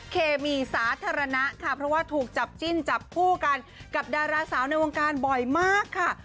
เคมีสาธารณะค่ะเพราะว่าถูกจับจิ้นจับคู่กันกับดาราสาวในวงการบ่อยมากค่ะ